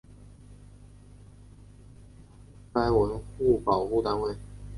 该文物保护单位由集安市文物局管理。